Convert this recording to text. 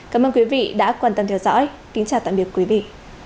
cảm ơn quý vị đã quan tâm theo dõi kính chào tạm biệt quý vị